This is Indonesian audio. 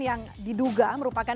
yang diduga merupakan